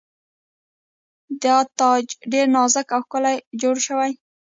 دا تاج ډیر نازک او ښکلی جوړ شوی و